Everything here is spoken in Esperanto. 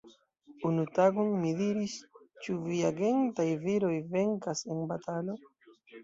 Unu tagon mi diris, Ĉu viagentaj viroj venkas en batalo?